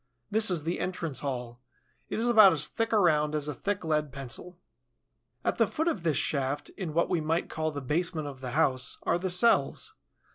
This is the entrance hall. It is about as thick around as a thick lead pencil. At the foot of this shaft, in what we might call the basement of the house, are the cells.